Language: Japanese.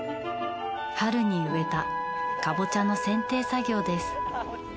春に植えたカボチャの剪定作業です。